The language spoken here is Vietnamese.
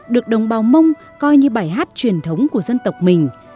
được đồng bào mông coi như bài hát truyền thống của dân tộc mình